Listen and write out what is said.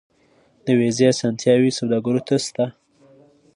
د ویزې اسانتیاوې سوداګرو ته شته